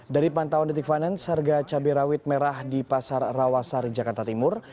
dari pantauan detik finance harga cabai rawit merah di pasar rawasari jakarta timur